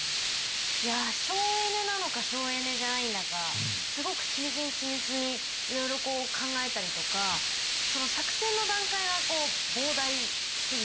いや省エネなのか省エネじゃないんだかすごく緻密に緻密にいろいろ考えたりとかその作戦の段階が膨大すぎて。